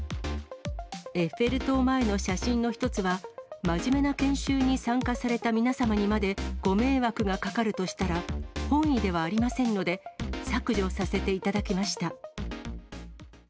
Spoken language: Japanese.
エッフェル塔前の写真の１つは、真面目な研修に参加された皆様にまでご迷惑がかかるとしたら、本位ではありませんので、削除させていただきました。